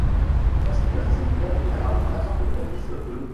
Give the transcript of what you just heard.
La situation sanitaire était aggravée par l'absence de maîtrise de l'eau.